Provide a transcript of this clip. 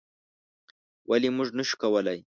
ولې موږ نشو کولی؟